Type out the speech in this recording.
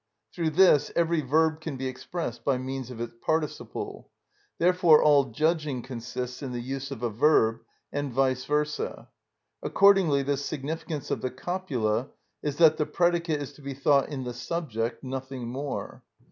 Through this every verb can be expressed by means of its participle. Therefore all judging consists in the use of a verb, and vice versâ. Accordingly the significance of the copula is that the predicate is to be thought in the subject, nothing more.